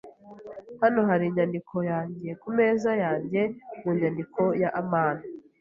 Hano hari inyandiko yanjye ku meza yanjye mu nyandiko ya amani.